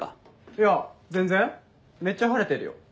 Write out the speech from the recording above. いや全然めっちゃ晴れてるよ。